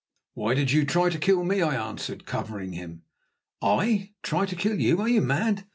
"Why did you try to kill me?" I answered, covering him. "I try to kill you! Are you mad?